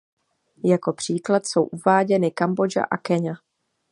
Jako příklad jsou uváděny Kambodža a Keňa.